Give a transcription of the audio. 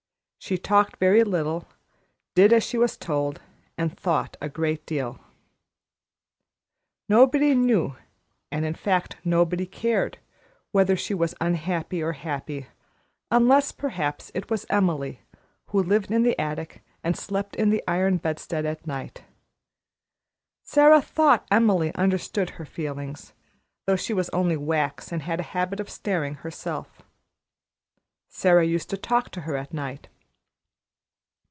She talked very little, did as she was told, and thought a great deal. Nobody knew, and in fact nobody cared, whether she was unhappy or happy, unless, perhaps, it was Emily, who lived in the attic and slept on the iron bedstead at night. Sara thought Emily understood her feelings, though she was only wax and had a habit of staring herself. Sara used to talk to her at night.